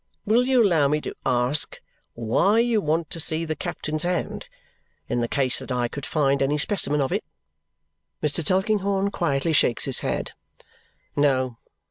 Will you allow me to ask why you want to see the captain's hand, in the case that I could find any specimen of it?" Mr. Tulkinghorn quietly shakes his head. "No.